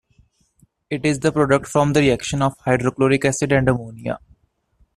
It is the product from the reaction of hydrochloric acid and ammonia.